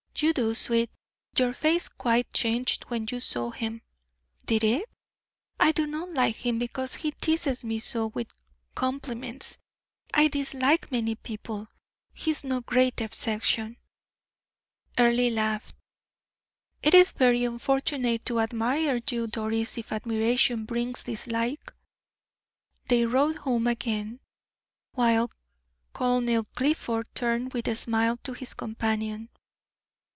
"You do, sweet; your face quite changed when you saw him." "Did it? I do not like him because he teases me so with compliments. I dislike many people; he is no great exception." Earle laughed. "It is very unfortunate to admire you, Doris, if admiration brings dislike." They rode home again, while Colonel Clifford turned with a smile to his companion.